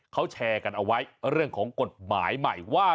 เขาแชร์กันเอาไว้เรื่องของกฎหมายใหม่ว่า